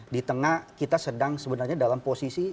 di tengah kita sedang sebenarnya dalam posisi